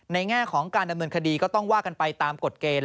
แง่ของการดำเนินคดีก็ต้องว่ากันไปตามกฎเกณฑ์